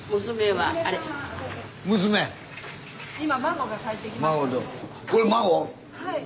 はい。